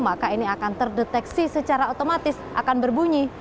maka ini akan terdeteksi secara otomatis akan berbunyi